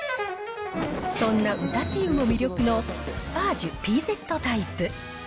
そんな打たせ湯も魅力のスパージュＰＺタイプ。